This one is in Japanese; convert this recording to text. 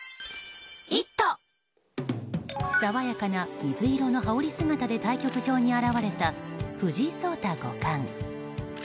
爽やかな水色の羽織姿で対局場に現れた藤井聡太五冠。